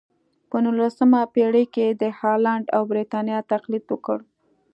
په نولسمه پېړۍ کې یې د هالنډ او برېټانیا تقلید وکړ.